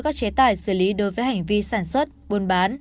các chế tài xử lý đối với hành vi sản xuất buôn bán